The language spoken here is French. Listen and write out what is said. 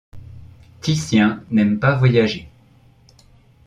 Titien n'aime pas voyager.